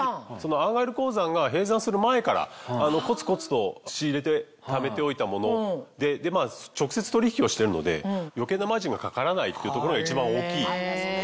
アーガイル鉱山が閉山する前からコツコツと仕入れてためておいたもので直接取引をしてるので余計なマージンがかからないっていうところが一番大きい。